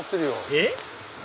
えっ？